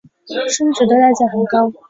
生殖的代价很高。